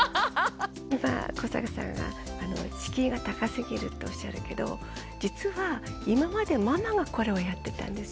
今古坂さんが敷居が高すぎるっておっしゃるけど実は今までママがこれをやってたんですよ。